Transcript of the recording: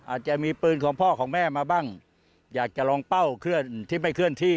อาจจะมีปืนของพ่อของแม่มาบ้างอยากจะลองเป้าเคลื่อนที่ไม่เคลื่อนที่